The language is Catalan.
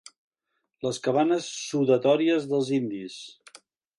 Les cabanes sudatòries dels indis.